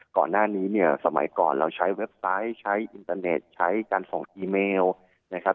ก่อนหน้านี้เนี่ยสมัยก่อนเราใช้เว็บไซต์ใช้อินเตอร์เน็ตใช้การส่งอีเมลนะครับ